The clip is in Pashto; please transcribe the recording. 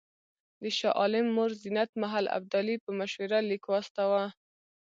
د شاه عالم مور زینت محل ابدالي په مشوره لیک واستاوه.